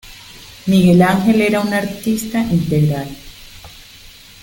Miguel Ángel era un artista integral.